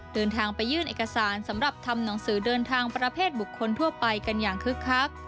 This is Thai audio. เดินทางไปยื่นเอกสารสำหรับทำหนังสือเดินทางประเภทบุคคลทั่วไปกันอย่างคึกคัก